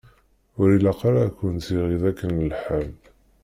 Ur ilaq ara ad kunt-iɣiḍ akken lḥal!